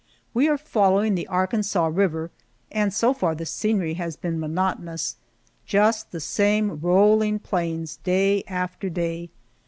We are following the Arkansas River, and so far the scenery has been monotonous just the same rolling plains day after day.